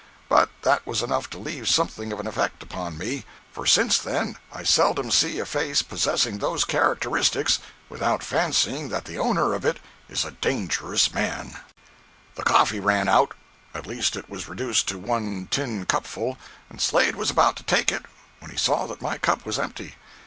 But that was enough to leave something of an effect upon me, for since then I seldom see a face possessing those characteristics without fancying that the owner of it is a dangerous man. 088.jpg (57K) The coffee ran out. At least it was reduced to one tin cupful, and Slade was about to take it when he saw that my cup was empty.